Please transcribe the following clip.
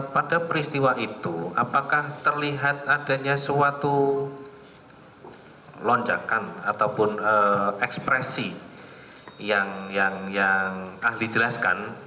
pada peristiwa itu apakah terlihat adanya suatu lonjakan ataupun ekspresi yang ahli jelaskan